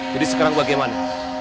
jadi sekarang bagaimana